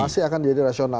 masih akan jadi rasional